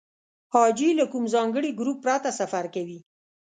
حاجي له کوم ځانګړي ګروپ پرته سفر کوي.